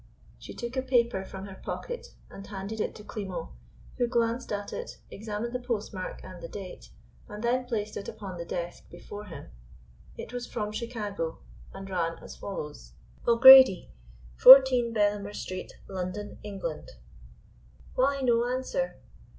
She took a paper from her pocket and handed it to Klimo, who glanced at it, examined the post mark and the date, and then placed it upon the desk before him It was from Chicago, and ran as follows: O'Grady, 14 Bellamer Street, London, England. Why no answer?